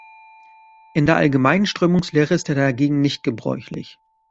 In der allgemeinen Strömungslehre ist er dagegen nicht gebräuchlich.